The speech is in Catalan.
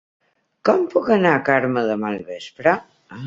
Com puc anar a Carme demà al vespre?